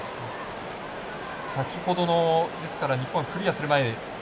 先ほどの日本がクリアする前。